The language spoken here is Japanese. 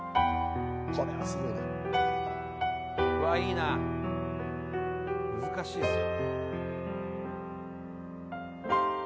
これはすごいねわいいな難しいっすよ